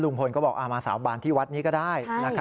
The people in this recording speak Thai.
ก็บอกมาสาบานที่วัดนี้ก็ได้